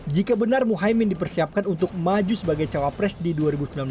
jika benar muhaymin dipersiapkan untuk maju sebagai cawapres di dua ribu sembilan belas